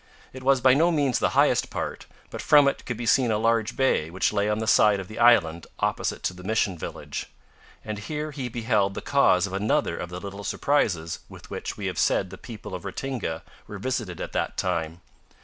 It was by no means the highest part, but from it could be seen a large bay which lay on the side of the island opposite to the mission village. And here he beheld the cause of another of the little surprises with which we have said the people of Ratinga were visited at that time.